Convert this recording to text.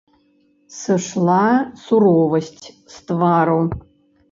Сышла суровасць з твару.